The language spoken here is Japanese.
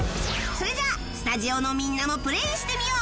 それじゃスタジオのみんなもプレイしてみよう